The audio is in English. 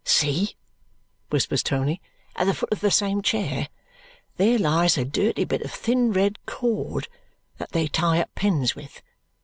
"See!" whispers Tony. "At the foot of the same chair there lies a dirty bit of thin red cord that they tie up pens with.